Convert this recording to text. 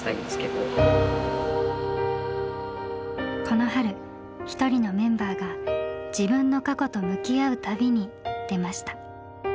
この春一人のメンバーが自分の過去と向き合う旅に出ました。